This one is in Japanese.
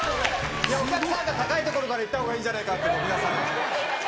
お客さんが、高い所からいったほうがいいんじゃないかって、皆さん。